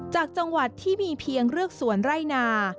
จากจังหวัดที่มีเพียงเรือกสวนไร่นา